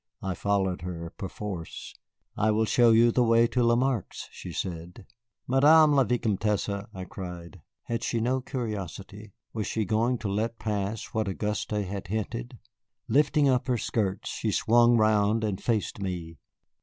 I followed her, perforce. "I will show you the way to Lamarque's," she said. "Madame la Vicomtesse!" I cried. Had she no curiosity? Was she going to let pass what Auguste had hinted? Lifting up her skirts, she swung round and faced me.